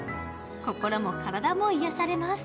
心も体も癒やされます。